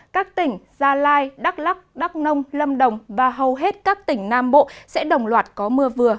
các tỉnh gia lai đắk lắc đắk nông lâm đồng và hầu hết các tỉnh nam bộ sẽ đồng loạt có mưa vừa